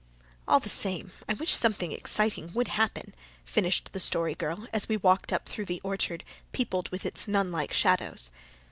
"All the same, I wish something exciting would happen," finished the Story Girl, as we walked up through the orchard, peopled with its nun like shadows.